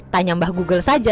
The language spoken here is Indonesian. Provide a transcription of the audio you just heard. tanya mbah google saja